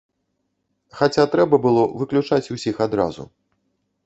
Хаця, трэба было выключаць усіх адразу.